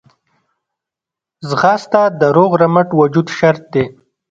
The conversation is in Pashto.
ځغاسته د روغ رمټ وجود شرط دی